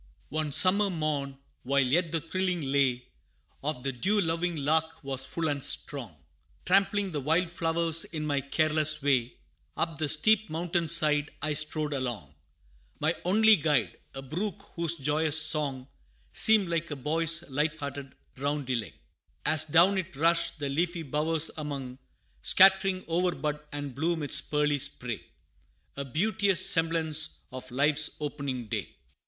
One summer morn, while yet the thrilling lay, Of the dew loving lark was full and strong, Trampling the wild flowers in my careless way, Up the steep mountain side I strode along My only guide, a brook whose joyous song, Seemed like a boy's light hearted roundelay, As down it rushed, the leafy bowers among, Scattering o'er bud and bloom its pearly spray A beauteous semblance of life's opening day.